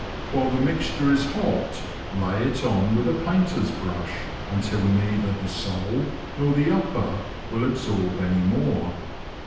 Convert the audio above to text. While the mixture is hot, lay it on with a painter's brush, until neither the sole nor the upper will absorb any more.